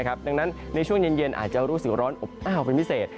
ดังนั้นในช่วงเย็นอาจจะรู้สึกร้อนอบอ้าวเป็นพิเศษ